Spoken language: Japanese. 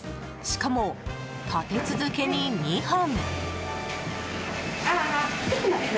しかも、立て続けに２本。